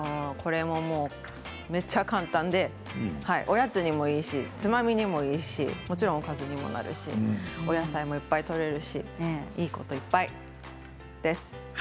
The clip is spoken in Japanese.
めっちゃ簡単でおやつにもいいし、つまみにもいいしもちろんおかずにもなるしお野菜もいっぱいとれるしいいこといっぱいです。